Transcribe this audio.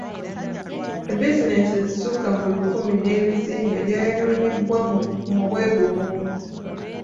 Ebizinensi ezisukka mu lukumi n'ebizimbe byayonoonebwa mu bwegugungo.